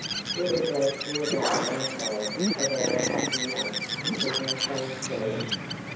We were glad to avail ourselves of our opossum rugs to keep ourselves warm.